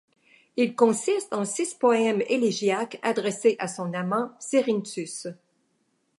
Ils consistent en six poèmes élégiaques adressés à son amant Cerinthus.